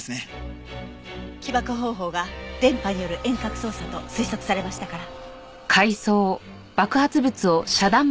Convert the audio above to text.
起爆方法が電波による遠隔操作と推測されましたから。